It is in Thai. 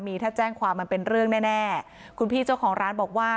มีถ้าแจ้งความมันเป็นเรื่องแน่แน่คุณพี่เจ้าของร้านบอกว่า